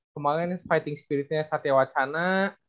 kemarin fighting spiritnya satya wacana